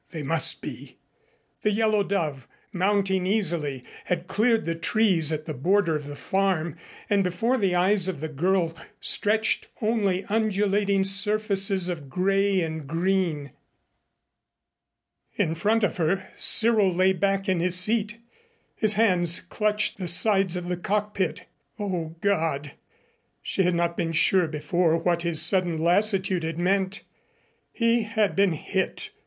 They must be. The Yellow Dove, mounting easily, had cleared the trees at the border of the farm and before the eyes of the girl stretched only undulating surfaces of gray and green. In front of her Cyril lay back in his seat. His hands clutched the sides of the cockpit. O God! She had not been sure before what his sudden lassitude had meant. He had been hit!